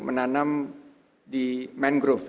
menanam di mangrove